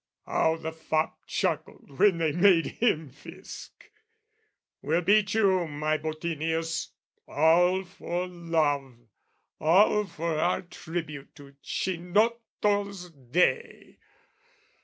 How the fop chuckled when they made him Fisc! We'll beat you, my Bottinius, all for love, All for our tribute to Cinotto's day!